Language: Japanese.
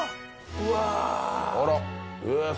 うわ。